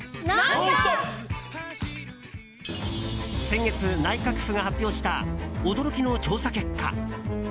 先月、内閣府が発表した驚きの調査結果。